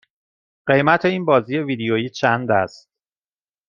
قیمت این بازی ویدیویی چند است؟